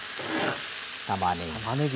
たまねぎ。